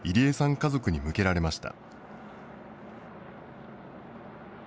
家族に向けられました。